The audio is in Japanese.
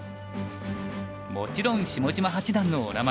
もちろん下島八段のお名前も。